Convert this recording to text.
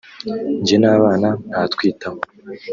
njye n’abana ntatwitaho